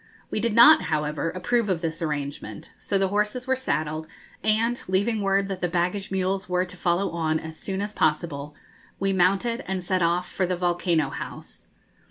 We did not, however, approve of this arrangement, so the horses were saddled, and, leaving word that the baggage mules were to follow on as soon as possible, we mounted, and set off for the 'Volcano House.'